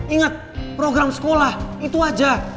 ingat program sekolah itu aja